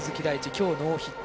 今日、ノーヒット。